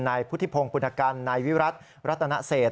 นายพุทธิพงศ์ปุณกันนายวิรัติรัตนเศษ